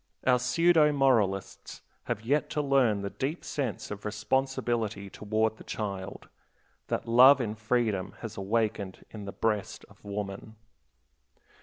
Our pseudo moralists have yet to learn the deep sense of responsibility toward the child, that love in freedom has awakened in the breast of woman.